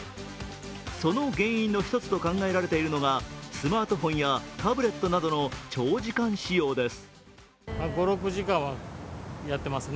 その原因の１つと考えられているのが、スマートフォンやタブレットなどの長時間使用です。